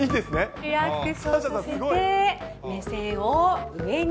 リラックスして目線を上に。